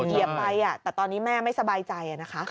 เหยียบไปแต่ตอนนี้แม่ไม่สบายใจนะคะ